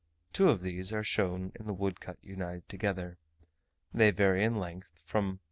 Two of these are shown in the woodcut united together. They vary in length from